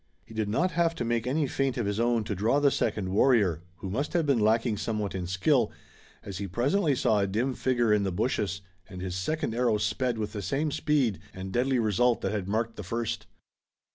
He did not have to make any feint of his own to draw the second warrior, who must have been lacking somewhat in skill, as he presently saw a dim figure in the bushes and his second arrow sped with the same speed and deadly result that had marked the first.